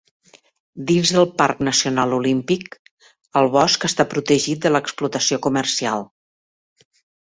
Dins del Parc Nacional Olímpic, el bosc està protegit de l'explotació comercial.